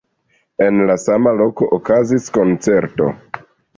En la sama loko okazis koncerto.